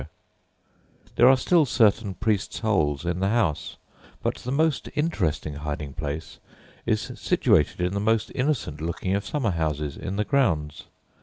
[Illustration: SECRET PANEL AT SALISBURY] There are still certain "priests' holes" in the house, but the most interesting hiding place is situated in the most innocent looking of summer houses in the grounds.